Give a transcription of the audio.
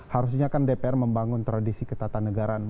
harusnya kan dpr membangun tradisi ketatanegaraan